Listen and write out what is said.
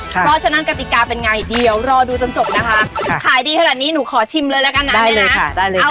เพราะฉะนั้นกติกาเป็นไงเดี๋ยวรอดูจนจบนะคะขายดีขนาดนี้หนูขอชิมเลยแล้วกันนะเนี่ยนะ